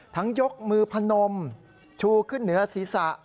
ทั้งยกมือพนมชูขึ้นเหนือศิษะ